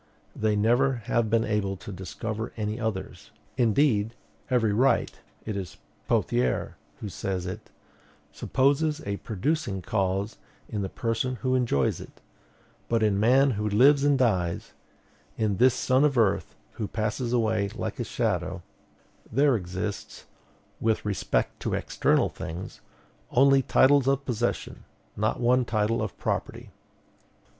They never have been able to discover any others. Indeed, every right it is Pothier who says it supposes a producing cause in the person who enjoys it; but in man who lives and dies, in this son of earth who passes away like a shadow, there exists, with respect to external things, only titles of possession, not one title of property.